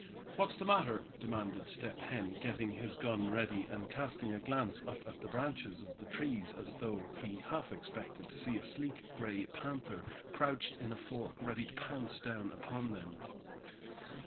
"What's the matter?" demanded Step Hen, getting his gun ready, and casting a glance up at the branches of the trees as though he half expected to see a sleek gray panther crouched in a fork, ready to pounce down upon them.